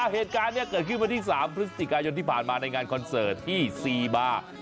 เหตุการณ์นี้เกิดขึ้นวันที่๓พฤศจิกายนที่ผ่านมาในงานคอนเสิร์ตที่ซีบาร์